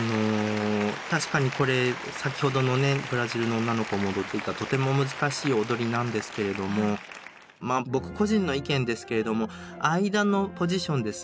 確かにこれ先ほどのねブラジルの女の子も踊っていたとても難しい踊りなんですけれどもまあ僕個人の意見ですけれども間のポジションですね